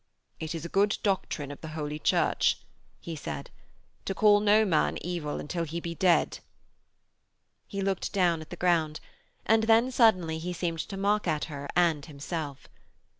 'It is a good doctrine of the Holy Church,' he said, 'to call no man evil until he be dead.' He looked down at the ground, and then, suddenly, he seemed to mock at her and at himself.